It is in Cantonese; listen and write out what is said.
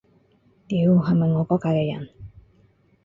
屌，係咪我嗰屆嘅人